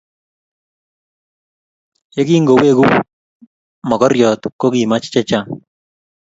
Ye kingoweku mokoriot ko ki mach chechang'